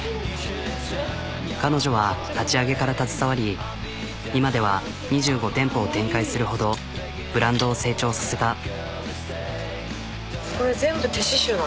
彼女は立ち上げから携わり今では２５店舗を展開するほどブランドを成長させた。